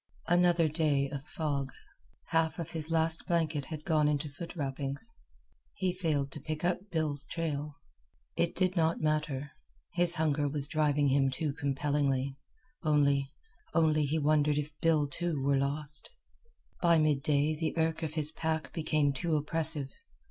Another day of fog. Half of his last blanket had gone into foot wrappings. He failed to pick up Bill's trail. It did not matter. His hunger was driving him too compellingly only only he wondered if Bill, too, were lost. By midday the irk of his pack became too oppressive.